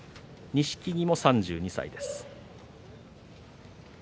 錦木も３２歳です。